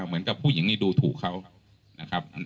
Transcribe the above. เหมือนกับผู้หญิงนี่ดูถูกเขานะครับ